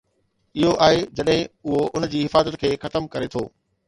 اهو آهي جڏهن اهو ان جي حفاظت کي ختم ڪري ٿو.